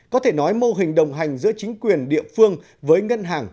có thể nói mô hình đồng hành giữa chính quyền địa phương với ngân hàng